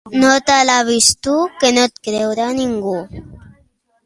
No t'alabis tu, que no et creurà ningú.